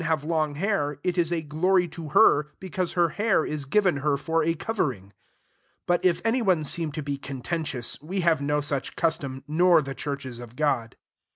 See ^84 1 CORINTHIANS XII. hare long hair, it is a glory to i her : because her hair is given [her] for a covering. 16 But if any one seem to be contentious, we have no such custom, nor the churches of God.